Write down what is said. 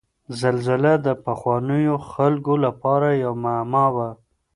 زلزله د پخوانیو خلګو لپاره یوه معما وه.